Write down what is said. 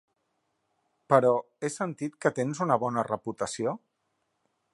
Però he sentit que tens una bona reputació.